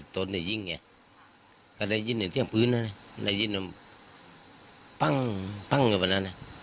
ตอนนี้ยิ่งเนี่ยก็ได้ยิ่งในเที่ยงพื้นอ่ะเนี่ยได้ยิ่งแป้งแป้งอยู่แบบนั้นเนี่ย